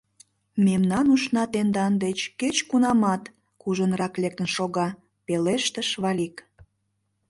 Мемнан ушна тендан деч кеч-кунамат кужунрак лектын шога, — пелештыш Валик.